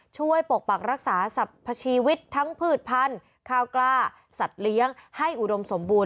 ปกปักรักษาสรรพชีวิตทั้งพืชพันธุ์ข้าวกล้าสัตว์เลี้ยงให้อุดมสมบูรณ